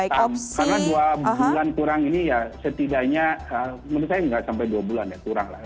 karena dua bulan kurang ini ya setidaknya menurut saya nggak sampai dua bulan ya kurang